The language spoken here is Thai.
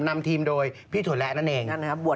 นำทีมโดยพี่โสละนั่นเอง